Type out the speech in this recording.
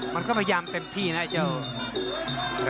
มันก็พยายามเต็มที่นะไอ้เจ้า